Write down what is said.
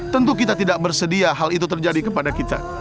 tentu kita tidak bersedia hal itu terjadi kepada kita